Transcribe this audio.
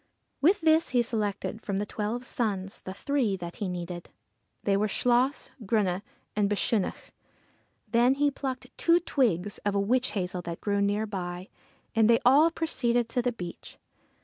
With this he selected from the twelve sons the three that he needed. They were Chluas, Grunne, and Bechunach. Then he plucked two twigs of a witch hazel that grew near by, and they all proceeded to the beach.